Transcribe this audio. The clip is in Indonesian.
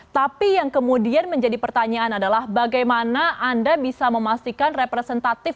tapi yang kemudian menjadi pertanyaan adalah bagaimana anda bisa memastikan representatif